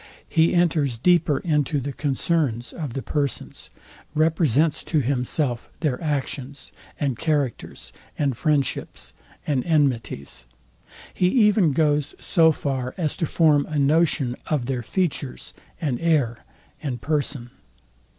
He enters deeper into the concerns of the persons: represents to himself their actions, and characters, and friendships, and enmities: He even goes so far as to form a notion of their features, and air, and person.